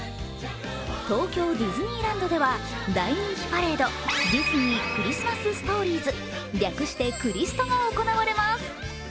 東京ディズニーランドでは大人気パレード、ディズニー・クリスマス・ストーリーズ、略してクリストが行われます。